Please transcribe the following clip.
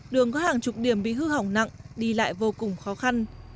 đường có hàng chục điểm bị hư hỏng nặng đi lại vừa